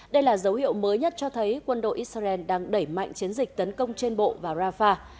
đây là dấu hiệu mới nhất cho thấy quân đội israel đang đẩy mạnh chiến dịch tấn công trên bộ vào rafah